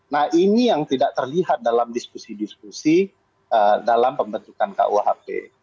nah ini yang tidak terlihat dalam diskusi diskusi dalam pembentukan kuhp